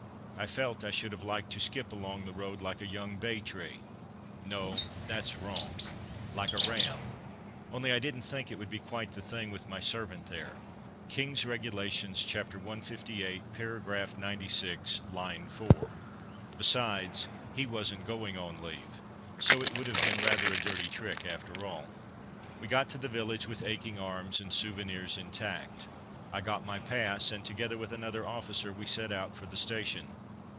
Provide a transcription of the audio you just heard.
I felt I should have liked to skip along the road like a young bay tree no, that's wrong like a ram, only I didn't think it would be quite the thing with my servant there (King's Regulations: Chapter 158, paragraph 96, line 4); besides, he wasn't going on leave, so it would have been rather a dirty trick after all. We got to the village with aching arms and souvenirs intact. I got my pass, and together with another officer we set out for the station.